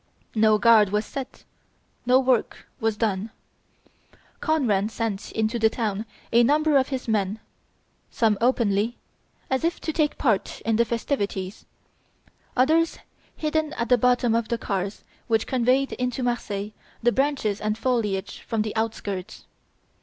No guard was set; no work was done. Conran sent into the town a number of his men, some openly, as if to take part in the festivities, others hidden at the bottom of the cars which conveyed into Marseilles the branches and foliage from the outskirts.